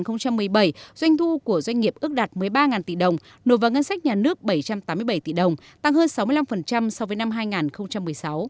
năm hai nghìn một mươi bảy doanh thu của doanh nghiệp ước đạt một mươi ba tỷ đồng nộp vào ngân sách nhà nước bảy trăm tám mươi bảy tỷ đồng tăng hơn sáu mươi năm so với năm hai nghìn một mươi sáu